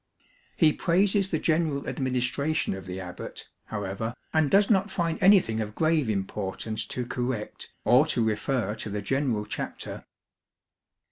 He praises the general administration of the abbot, however, and does not find anything of grave importance to correct or to refer to the General Chapter.